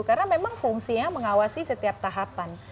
karena memang fungsinya mengawasi setiap tahapan